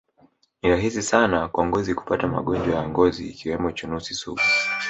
Ni rahisi sana kwa ngozi kupata magonjwa ya ngozi ikiwemo chunusi sugu